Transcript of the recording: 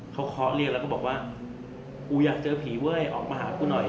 เขาเคาะเรียกแล้วก็บอกว่ากูอยากเจอผีเว้ยออกมาหากูหน่อย